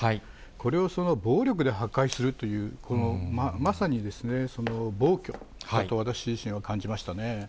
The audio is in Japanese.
これを暴力で破壊するという、まさに暴挙だと、私自身は感じましたね。